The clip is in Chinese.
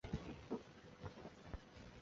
这次中弹并未造成显着损伤。